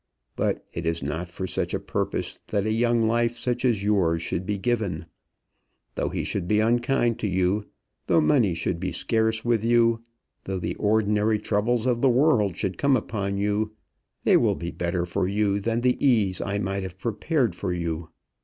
But it is not for such a purpose that a young life such as yours should be given. Though he should be unkind to you, though money should be scarce with you, though the ordinary troubles of the world should come upon you, they will be better for you than the ease I might have prepared for you.